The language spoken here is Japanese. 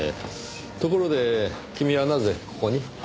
ところで君はなぜここに？